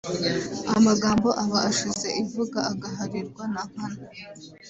amagambo aba ashize ivuga agaharirwa Nankana